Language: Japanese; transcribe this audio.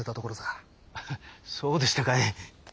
ああそうでしたかい。